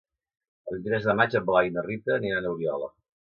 El vint-i-tres de maig en Blai i na Rita aniran a Oriola.